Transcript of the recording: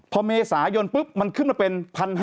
พอเมษายนปุ๊บมันขึ้นมาเป็น๑๕๐๐